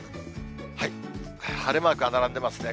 晴れマークが並んでますね。